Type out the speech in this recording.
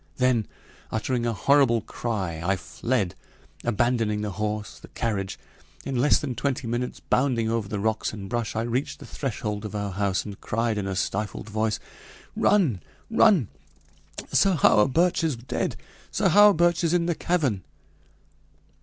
Then uttering a horrible cry, I fled, abandoning the horse, the carriage. In less than twenty minutes, bounding over the rocks and brush, I reached the threshold of our house, and cried in a stifled voice: "Run! Run! Sir Hawerburch is dead! Sir Hawerburch is in the cavern